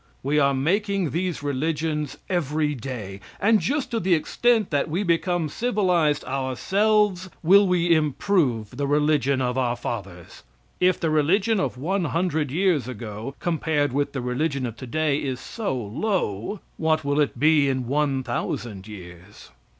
We are making these religions every day, and just to the extent that we become civilized ourselves will we improve the religion of our fathers. If the religion of one hundred years ago, compared with the religion of to day is so low, what will it be in one thousand years?